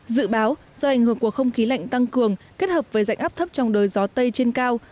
dự báo do ảnh hưởng của không khí lạnh tăng cường kết hợp với dạnh áp thấp trong đời gió tây trên cao